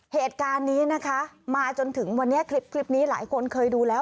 เหตุการณ์นี้นะคะมาจนถึงวันนี้คลิปนี้หลายคนเคยดูแล้ว